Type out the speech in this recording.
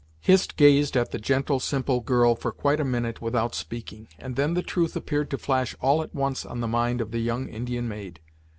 Hist gazed at the gentle, simple girl, for quite a minute without speaking, and then the truth appeared to flash all at once on the mind of the young Indian maid.